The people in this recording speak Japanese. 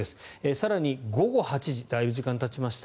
更に、午後８時だいぶ時間がたちました。